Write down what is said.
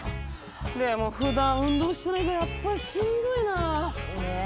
でもふだん運動してないからやっぱりしんどいな！ね。